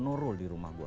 no rule di rumah gue